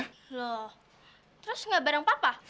loh terus nggak bareng papa